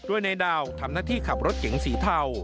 โดยในดาวทำหน้าที่ขับรถเก๋งสีเทา